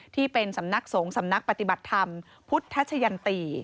ที่เป็นสำนักสงฆ์สำนักปฏิบัติธรรมพุทธชะยันตี